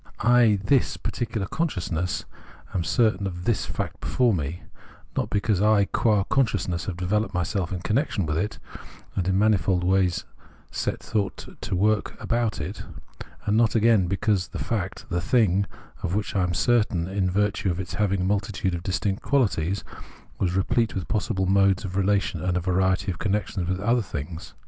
I, this particular conscious I, am certain of this fact before me, not because I qua consciousness have developed myself in connection with it and in manifold ways set thought to work about it : and not, again, be cause the fact, the thing, of which I am certain, in virtue of its having a multitude of distinct quahties, was replete with possible modes of relation and a variety of connections with other things.